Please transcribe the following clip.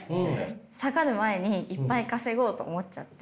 下がる前にいっぱい稼ごうと思っちゃって。